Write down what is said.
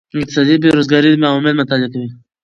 اقتصاد د بیروزګارۍ عوامل مطالعه کوي.